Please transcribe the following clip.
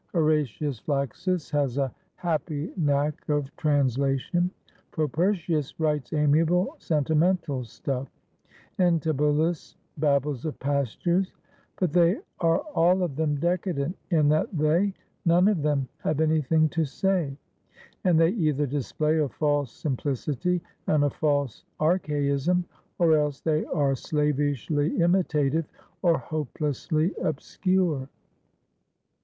Horatius Flaccus has a happy 412 WHY OVID WAS BANISHED knack of translation; Propertius writes amiable, senti mental stuff, and Tibullus babbles of pastures; but they are all of them decadent in that they, none of them, have anything to say. And they either display a false sim plicity and a false archaism, or else they are slavishly imitative or hopelessly obscure.